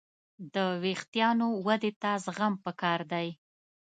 د وېښتیانو ودې ته زغم پکار دی.